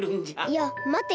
いやまてよ。